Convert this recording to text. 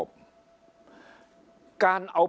ฝ่ายชั้น